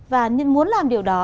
và muốn làm điều đó